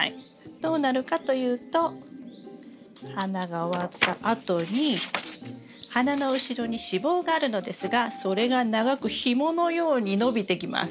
どうなるかというと花が終わったあとに花の後ろに子房があるのですがそれが長くひものように伸びてきます。